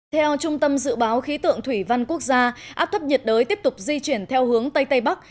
theo trung tâm dự báo khí tượng thủy văn quốc gia áp thấp nhiệt đới tiếp tục di chuyển theo hướng tây tây bắc